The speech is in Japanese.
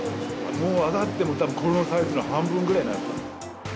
もう揚がってもたぶんこのサイズの半分ぐらいだった。